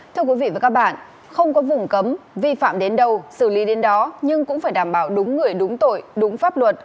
thưa quý vị và các bạn không có vùng cấm vi phạm đến đâu xử lý đến đó nhưng cũng phải đảm bảo đúng người đúng tội đúng pháp luật